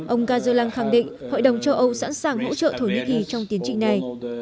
ông gajelang khẳng định hội đồng châu âu sẵn sàng hỗ trợ thổ nhĩ kỳ trong tiến trị này